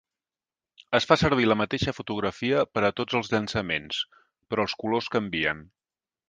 Es fa servir la mateixa fotografia per a tots els llançaments, però els colors canvien.